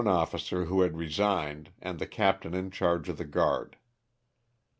officer who had resigned, and the captain in charge of the guard.